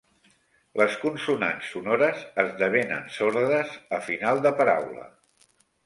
Les consonants sonores esdevenen sordes a final de paraula.